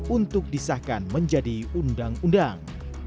untuk disahkan menjadi undang undang